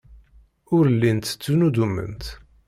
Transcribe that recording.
Ur llint ttnuddument.